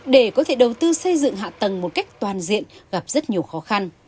để có thể đầu tư xây dựng hạ tầng một cách toàn diện gặp rất nhiều khó khăn